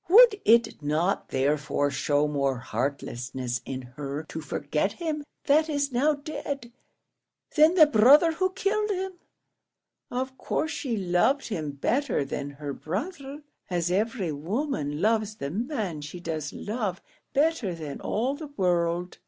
Would it not, therefore, show more heartlessness in her to forget him that is now dead, than the brother who killed him? Of course she loved him better than her brother, as every woman loves the man she does love better than all the world.